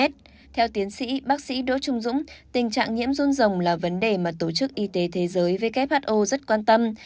theo tiến sĩ bác sĩ đỗ trung dũng tình trạng nhiễm run rồng là vấn đề mà tổ chức y tế thế giới who rất quan tâm